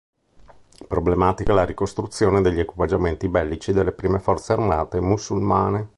Problematica è la ricostruzione degli equipaggiamenti bellici delle prime forze armate musulmane.